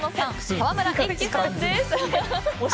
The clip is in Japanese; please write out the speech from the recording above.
沢村一樹さんです。